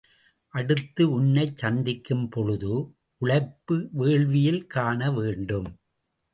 அடுத்து உன்னைச் சந்திக்கும் பொழுது உழைப்பு வேள்வியில் காண வேண்டும்.